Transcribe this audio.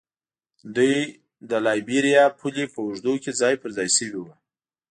دوی د لایبیریا پولې په اوږدو کې ځای پر ځای شوي وو.